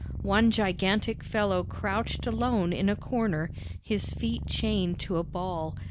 One gigantic fellow crouched alone in a corner, his feet chained to a ball.